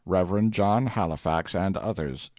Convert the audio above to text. "'Rev. John Halifax and others.